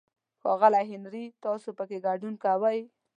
ښاغلی هنري، تاسو پکې ګډون کوئ؟